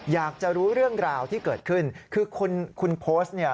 อยากจะรู้เรื่องราวที่เกิดขึ้นคือคุณโพสต์เนี่ย